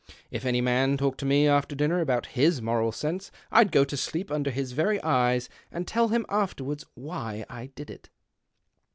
If any man talked to me, after dinner, about his moral sense, I'd go to sleep under his very eyes, and tell him afterwards why I did it.